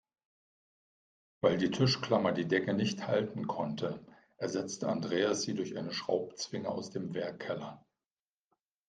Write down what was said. Weil die Tischklammer die Decke nicht halten konnte, ersetzte Andreas sie durch eine Schraubzwinge aus dem Werkkeller.